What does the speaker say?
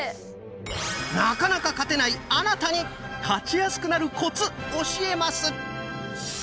なかなか勝てないあなたに勝ちやすくなるコツ教えます！